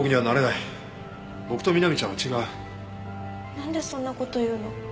なんでそんな事言うの？